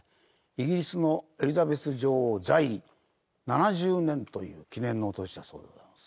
イギリスのエリザベス女王在位７０年という記念の年だそうでございます。